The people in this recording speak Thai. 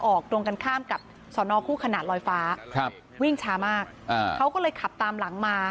ตรงกันข้ามกับสอนอคู่ขนาดลอยฟ้าครับวิ่งช้ามากเขาก็เลยขับตามหลังมา